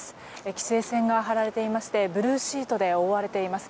規制線が張られていましてブルーシートで覆われています。